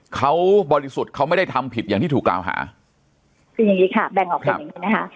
เขาบริสุทธิ์เขาไม่ได้ทำผิดอย่างที่ถูกกล่าวหาคืออย่างงี้ค่ะแบ่งออกเป็นอย่างงี้นะคะ